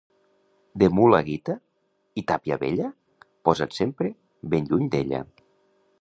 De mula guita i tàpia vella, posa't sempre ben lluny d'ella.